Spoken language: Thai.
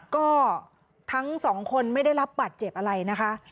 ก็ทั้งสองคนไม่ได้รับบัตรเจ็บอะไรนะคะ